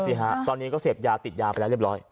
แต่อย่างนี้เก้าเสพยาติดยาไปแล้วเรียบร้อย